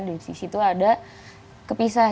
di situ ada kepisah